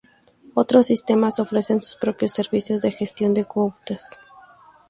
Otros sistemas ofrecen sus propios servicios de gestión de cuotas.